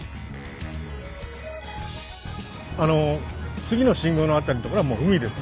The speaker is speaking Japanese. あの次の信号の辺りのところはもう海です。